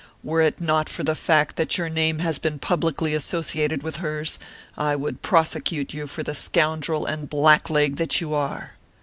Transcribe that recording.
"Were it not for the fact that your name has been publicly associated with hers, I would prosecute you for the scoundrel and black leg that you are."